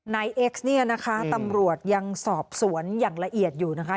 เอ็กซ์เนี่ยนะคะตำรวจยังสอบสวนอย่างละเอียดอยู่นะคะ